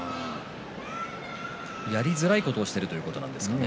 やりづらいことをしているということですかね。